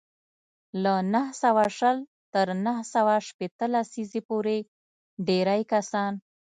له نهه سوه شل تر نهه سوه شپېته لسیزې پورې ډېری کسان